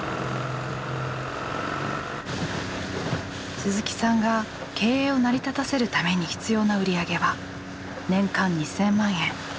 鈴木さんが経営を成り立たせるために必要な売り上げは年間２，０００万円。